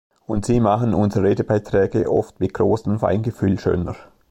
Und sie machen unsere Redebeiträge oft mit großem Feingefühl schöner.